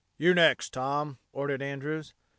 "You next, Tom," ordered Andrews.